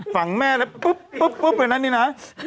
ฝั่งแม่แล้วปุ๊บเลยนะนี่นะ